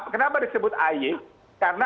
kenapa disebut ay karena